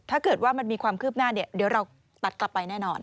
ถ้าเกิดว่ามันมีความคืบหน้าเดี๋ยวเราตัดกลับไปแน่นอน